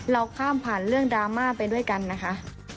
เราข้ามผ่านเรื่องดราม่าไปด้วยกันนะคะ